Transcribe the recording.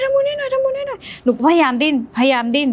มุนให้หน่อยทำบุญให้หน่อยหนูก็พยายามดิ้นพยายามดิ้น